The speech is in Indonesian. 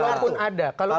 kalau pun ada